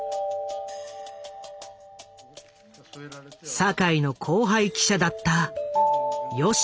坂井の後輩記者だった吉儀利彦。